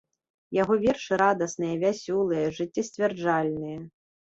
Яго вершы радасныя, вясёлыя, жыццесцвярджальныя.